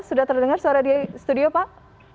sudah terdengar suara di studio pak